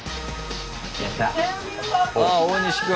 ああ大西君。